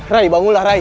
rai bangunlah rai